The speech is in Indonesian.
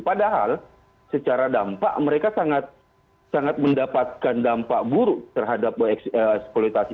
padahal secara dampak mereka sangat mendapatkan dampak buruk terhadap eksploitasi